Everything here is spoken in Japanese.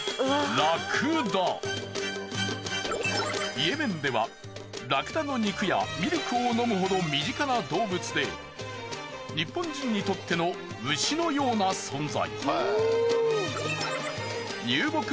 イエメンではラクダの肉やミルクを飲むほど身近な動物で日本人にとっての牛のような存在。